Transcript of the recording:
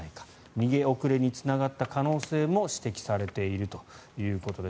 逃げ遅れにつながった可能性も指摘されているということです。